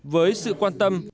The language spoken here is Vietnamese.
với sự quan tâm